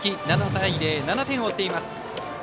７対０で７点を追っています。